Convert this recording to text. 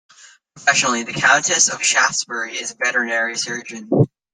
Professionally, the Countess of Shaftesbury is a veterinary surgeon.